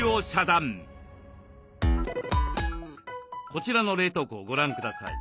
こちらの冷凍庫をご覧ください。